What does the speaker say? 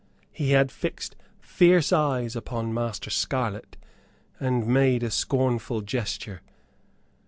He had fixed fierce eyes upon Master Scarlett, and made a scornful gesture.